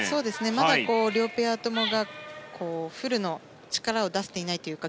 まだ両ペアともフルの力を出せていないというか